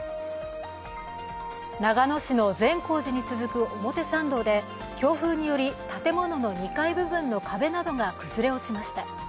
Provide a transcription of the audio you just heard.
長野市の善光寺に続く表参道で強風により建物の２階部分の壁などが崩れ落ちました。